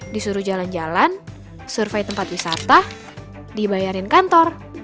disuruh jalan jalan survei tempat wisata dibayarin kantor